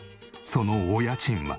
そのお家賃は。